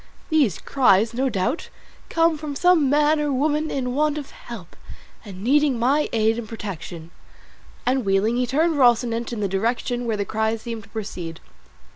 These cries, no doubt, come from some man or woman in want of help, and needing my aid and protection;" and wheeling, he turned Rocinante in the direction whence the cries seemed to proceed.